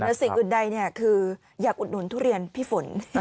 แต่สิ่งอื่นใดคืออยากอุดหนุนทุเรียนพี่ฝน